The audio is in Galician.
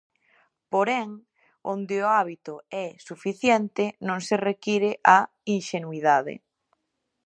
Porén, onde o hábito é suficiente, non se require a inxenuidade.